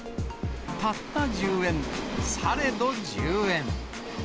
たった１０円、されど１０円。